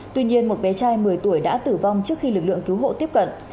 tuy nhiên một bé trai một mươi tuổi đã tử vong trước khi lực lượng cứu hộ tiếp cận